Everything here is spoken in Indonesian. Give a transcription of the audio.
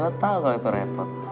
ya lo tau kalau itu repot